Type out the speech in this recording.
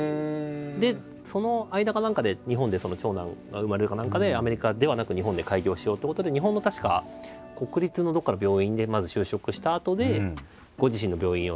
でその間か何かで日本で長男が生まれるか何かでアメリカではなく日本で開業しようってことで日本の確か国立のどこかの病院でまず就職したあとでご自身の病院を作り